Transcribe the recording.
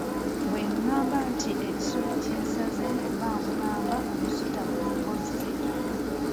Bwe ŋŋamba nti ekisubi kinsaze mba nkugamba omusota gumbozze.